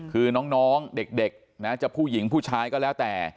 คือน้องเด็กนะจะผู้หญิงผู้ชายก็แล้วแต่